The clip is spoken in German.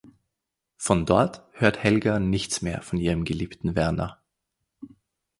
Von dort hört Helga nichts mehr von ihrem geliebten Werner.